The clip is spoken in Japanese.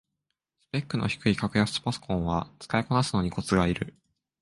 スペックの低い格安パソコンは使いこなすのにコツがいる